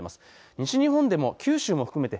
西日本でも九州も含めて